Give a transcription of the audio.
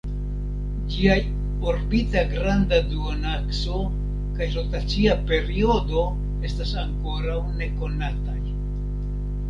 Ĝiaj orbita granda duonakso kaj rotacia periodo estas ankoraŭ nekonataj.